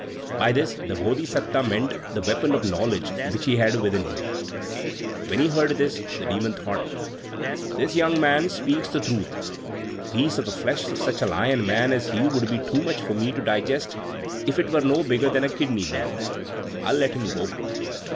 (By this, the Bodhisatta meant the weapon of knowledge which he had within him.) When he heard this, the Demon thought: "This young man speaks the truth. A piece of the flesh of such a lion man as he would be too much for me to digest, if it were no bigger than a kidney bean. I'll let him go!"